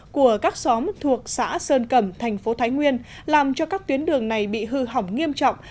của các xóm thuộc xã sơn cẩm thành phố thái nguyên làm cho các tuyến đường này bị hư hỏng nghiêm trọng